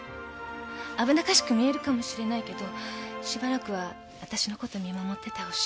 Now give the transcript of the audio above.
危なっかしく見えるかもしれないけどしばらくはあたしのこと見守っててほしい。